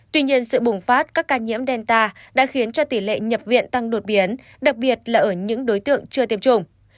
tuy nhiên sự bùng phát các ca nhiễm delta đã khiến cho tỷ lệ nhập viện tăng đột biến đặc biệt là ở những đối tượng chưa tiêm chủng